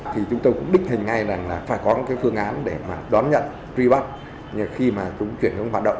thì chúng tôi cũng đích hình ngay là phải có phương án để mà đón nhận truy bắt khi mà chúng chuyển hướng hoạt động